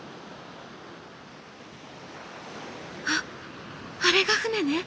「あっあれが船ね。